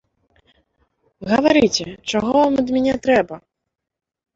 Гаварыце, чаго вам ад мяне трэба?